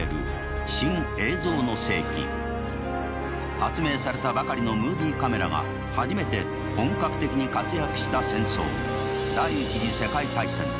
発明されたばかりのムービーカメラが初めて本格的に活躍した戦争第一次世界大戦。